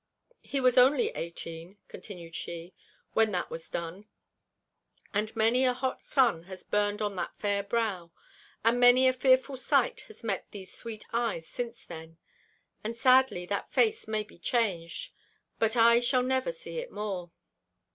"He was only eighteen," continued she, "when that was done; and many a hot sun has burned on that fair brow; and many a fearful sight has met these sweet eyes since then; and sadly that face may be changed; but I shall never see it more!"